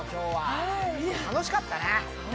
楽しかったな。